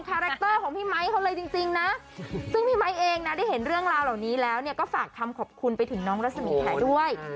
แรคเตอร์ของพี่ไมค์เขาเลยจริงนะซึ่งพี่ไมค์เองนะได้เห็นเรื่องราวเหล่านี้แล้วก็ฝากคำขอบคุณไปถึงน้องรัศมีแผลด้วย